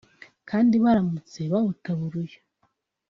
kandi baramutse bawutaburuye